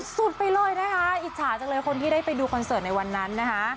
สุดไปเลยนะคะอิจฉาจังเลยคนที่ได้ไปดูคอนเสิร์ตในวันนั้นนะคะ